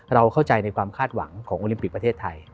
เราเข้าใจในความคาดหวังของโอลิมปิกประเทศไทย